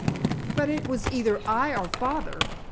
"But it was either I or father!